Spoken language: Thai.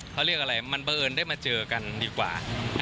เขาเรียกอะไรมันบังเอิญได้มาเจอกันดีกว่า